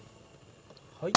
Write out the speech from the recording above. はい。